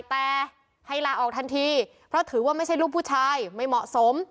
แต่ให้ลาออกทันทีเพราะถือว่าไม่ใช่ลูกผู้ชายไม่เหมาะสม